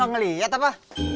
enggak lihat apa